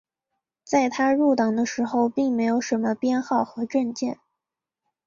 在他入党的时候并没有什么编号和证件。